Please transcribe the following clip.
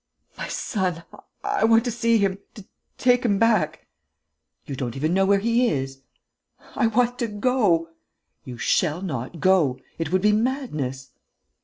"My son.... I want to see him, to take him back...." "You don't even know where he is!" "I want to go." "You shall not go!... It would be madness...."